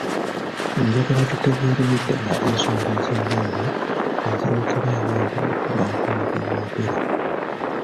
Njagala tutegeerere ddala ensonga ez’enjawulo ezireetera abantu okubaako ne bye boogera.